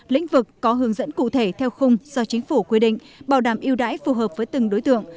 lĩnh vực có hướng dẫn cụ thể theo khung do chính phủ quy định bảo đảm yêu đãi phù hợp với từng đối tượng